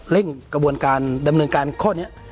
กระบวนการดำเนินการข้อนี้